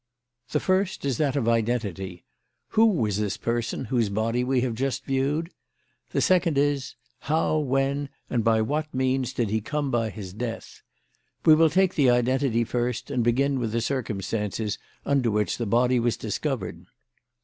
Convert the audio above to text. The first is that of identity: Who was this person whose body we have just viewed? The second is, How, when, and by what means did he come by his death? We will take the identity first and begin with the circumstances under which the body was discovered."